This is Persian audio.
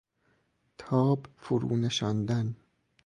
تاب فرو نشاندن